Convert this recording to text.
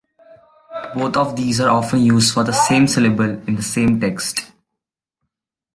Both of these are often used for the same syllable in the same text.